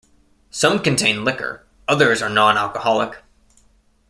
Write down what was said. Some contain liquor, others are non-alcoholic.